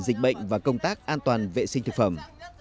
dịch bệnh và công tác an toàn vệ sinh thực phẩm